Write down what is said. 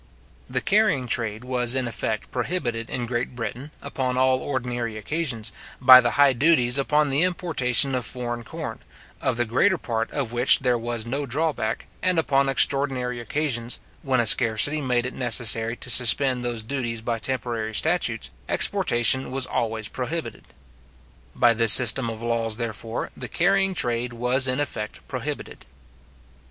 The carrying trade was in effect prohibited in Great Britain, upon all ordinary occasions, by the high duties upon the importation of foreign corn, of the greater part of which there was no drawback; and upon extraordinary occasions, when a scarcity made it necessary to suspend those duties by temporary statutes, exportation was always prohibited. By this system of laws, therefore, the carrying trade was in effect prohibited.